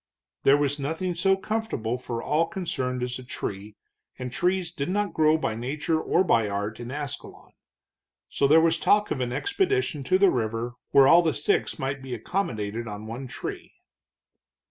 There was nothing so comfortable for all concerned as a tree, and trees did not grow by nature or by art in Ascalon. So there was talk of an expedition to the river, where all the six might be accommodated on one tree.